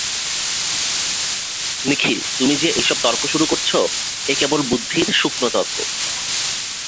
নিখিল, তুমি যে এই-সব তর্ক করছ এ কেবল বুদ্ধির শুকনো তর্ক।